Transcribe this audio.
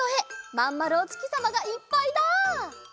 まんまるおつきさまがいっぱいだ！